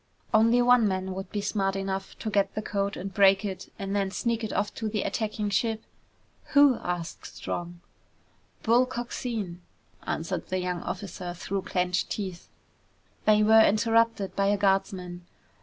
"Only one man would be smart enough to get the code and break it, and then sneak it off to the attacking ship! "Who?" asked Strong. "Bull Coxine!" answered the young officer through clenched teeth. They were interrupted by a guardsman.